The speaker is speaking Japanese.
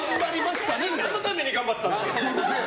何のために頑張ってたんだよ！